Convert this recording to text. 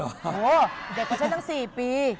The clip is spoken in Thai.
เด็กกว่าฉันตั้ง๔ปี